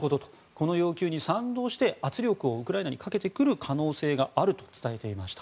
この要求に賛同して圧力をウクライナにかけてくる可能性があると伝えていました。